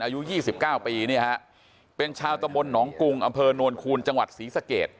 อายุยี่สิบเก้าปีนี่ฮะเป็นชาวตะมนต์หนองกุงอำเภอนวลคูณจังหวัดศรีสะเกด